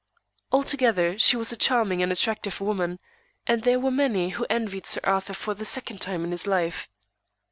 Altogether, she was a charming and attractive woman, and there were many who envied Sir Arthur for the second time in his life.